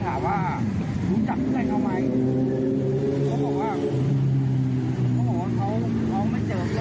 เขาบอกว่าเขาไม่เจอเพื่อนเขามานานแล้ว